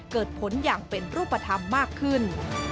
เกิดผลอย่างเป็นรูปธรรมมากขึ้น